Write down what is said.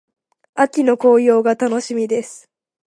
秋の紅葉が楽しみです。